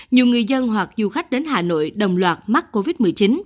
nhiều người dân hoặc du khách đến hà nội đồng loạt mắc covid một mươi chín